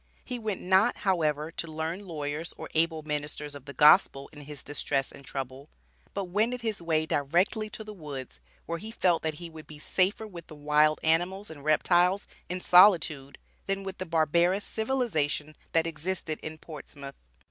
He went not, however, to learned lawyers or able ministers of the Gospel in his distress and trouble, but wended his way "directly to the woods," where he felt that he would be safer with the wild animals and reptiles, in solitude, than with the barbarous civilization that existed in Portsmouth.